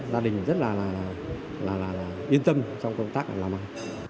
gia đình rất là yên tâm trong công tác này làm ơn